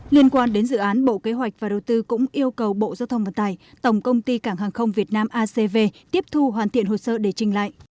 liên quan đến dự án bộ kế hoạch và đầu tư cũng yêu cầu bộ giao thông vận tải tổng công ty cảng hàng không việt nam acv tiếp thu hoàn thiện hồ sơ để trình lại